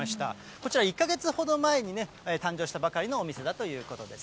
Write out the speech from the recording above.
こちら、１か月ほど前に誕生したばかりのお店だということです。